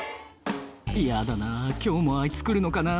「嫌だな今日もあいつ来るのかな？」